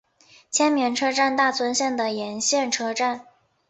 千绵车站大村线的沿线车站。